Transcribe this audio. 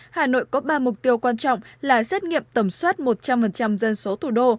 hà nội có ba mục tiêu quan trọng là xét nghiệm tầm soát một trăm linh dân số thủ đô